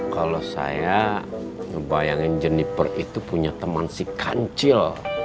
kalau saya ngebayangin jenniper itu punya teman si kancil